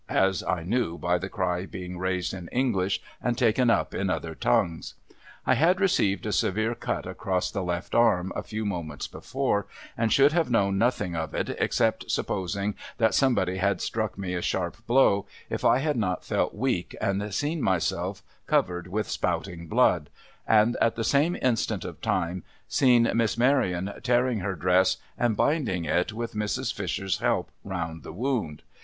' as I knew, by the cry being raised in English, and taken up in other tongues. I had received a severe cut across the left arm a few moments before, and should have known nothing of it, except supposing that somebody had struck me a smart blow, if I had not felt weak, and seen myself covered with spouting blood, and, at the same instant of time, seen Miss Maryon tearing her dress and binding it with Mrs. Fisher's help round the wound.